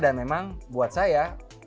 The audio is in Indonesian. dan memang buat saya